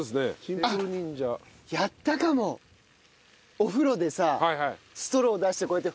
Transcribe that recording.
お風呂でさストロー出してこうやって。